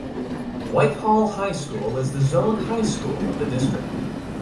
White Hall High School is the zoned high school of the district.